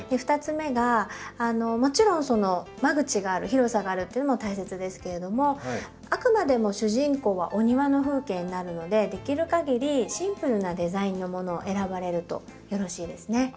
２つ目がもちろん間口がある広さがあるっていうのも大切ですけれどもあくまでも主人公はお庭の風景になるのでできる限りシンプルなデザインのものを選ばれるとよろしいですね。